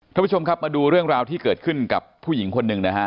ท่านผู้ชมครับมาดูเรื่องราวที่เกิดขึ้นกับผู้หญิงคนหนึ่งนะฮะ